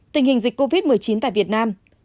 tình hình dịch covid một mươi chín tại việt nam